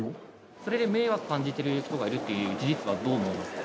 それで迷惑を感じているっていう事実は、どう思うんですか？